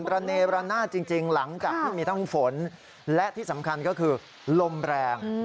ระเนระนาดจริงหลังจากที่มีทั้งฝนและที่สำคัญก็คือลมแรง